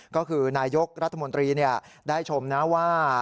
ก็คือนายกรัฐมนตรีได้ชมนะว่า